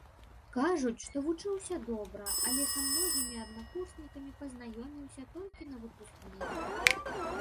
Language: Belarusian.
Кажуць, што вучыўся добра, але са многімі аднакурснікамі пазнаёміўся толькі на выпускным.